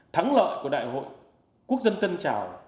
thắng lợi của đại hội quốc dân tân trào